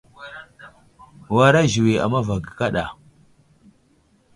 Wara ziwi a mava ge kaɗa.